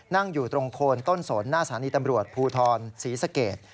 นั่งอยู่ตรงโคนต้นสนหน้าสถานีตำรวจภูทรศรีสเกต